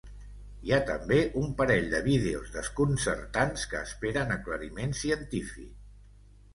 Hi ha també un parell de vídeos desconcertants que esperen aclariment científic.